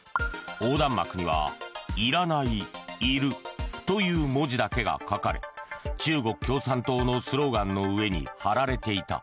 横断幕には「いらない・いる」という文字だけが書かれ中国共産党のスローガンの上に張られていた。